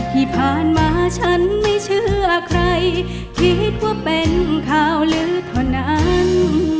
ที่ผ่านมาฉันไม่เชื่อใครคิดว่าเป็นข่าวลื้อเท่านั้น